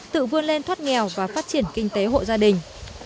tự vươn lên thoát nghèo và phát triển kinh tế hộ gia đình